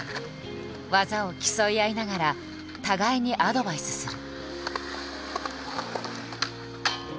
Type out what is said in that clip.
技を競い合いながら互いにアドバイスする。